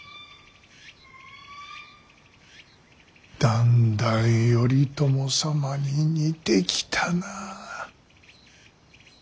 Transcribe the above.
だんだん頼朝様に似てきたな。